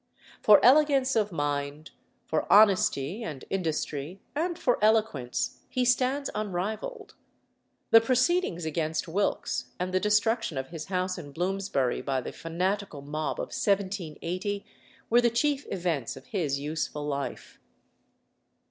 For elegance of mind, for honesty and industry, and for eloquence, he stands unrivalled. The proceedings against Wilkes, and the destruction of his house in Bloomsbury by the fanatical mob of 1780, were the chief events of his useful life.